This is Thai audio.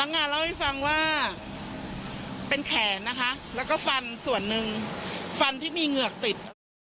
งานเล่าให้ฟังว่าเป็นแขนนะคะแล้วก็ฟันส่วนหนึ่งฟันที่มีเหงือกติด